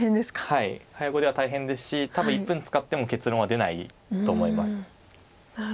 はい早碁では大変ですし多分１分使っても結論は出ないと思います。